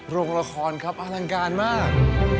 โรงละครครับอลังการมาก